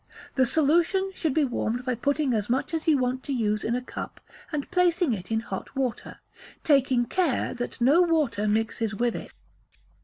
The solution should be warmed by putting as much as you want to use in a cup, and placing it in hot water, taking care that no water mixes with it.